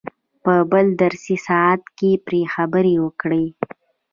په بل درسي ساعت کې پرې خبرې وکړئ.